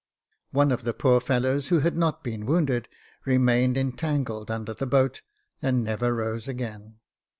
One of the poor fellows, who had not been wounded, remained entangled under the boat, and never rose again.